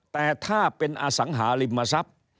แต่ถ้าเป็นอสังหาริมทรัพย์